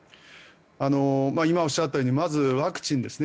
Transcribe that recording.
今おっしゃったようにまずワクチンですね。